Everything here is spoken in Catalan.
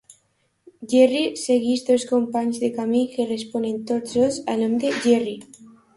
"Gerry" segueix dos companys de camí que responen tots dos al nom de "Gerry".